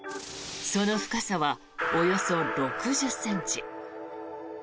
その深さはおよそ６０ｃｍ。